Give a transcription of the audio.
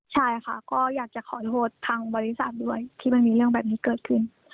ใช่ค่ะก็อยากจะขอโทษทางบริษัทด้วยที่มันมีเรื่องแบบนี้เกิดขึ้น